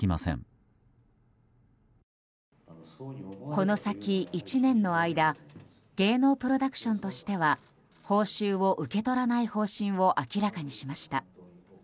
この先１年の間芸能プロダクションとしては報酬を受け取らない方針を明らかにしました。